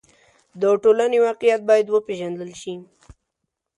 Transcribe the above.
د ټولنې واقعیت باید وپېژندل شي.